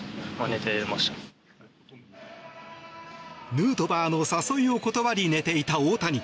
ヌートバーの誘いを断り寝ていた大谷。